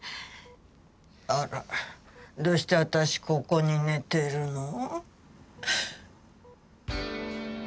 あらどうして私ここに寝てるの？